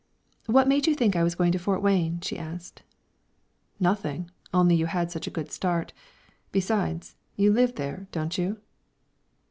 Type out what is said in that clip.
"What made you think I was going to Fort Wayne?" she asked. "Nothing, only you had such a good start. Besides, you live there, don't you?"